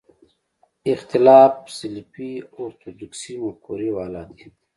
اختلاف سلفي اورتودوکسي مفکورې والا دي.